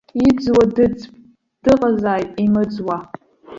Иӡуа дыӡп, дыҟазааит имыӡуа.